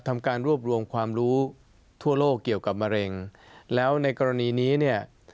ทำการรวบรวมความรู้ทั่วโลกเกี่ยวกับมะเร็งแล้วในกรณีนี้เนี่ย